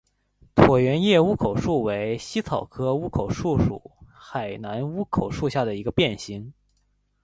椭圆叶乌口树为茜草科乌口树属海南乌口树下的一个变型。